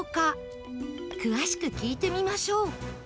詳しく聞いてみましょう